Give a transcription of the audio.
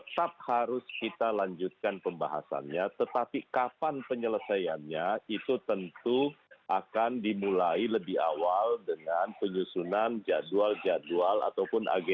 saya langsung saja tadi kita sudah berbincang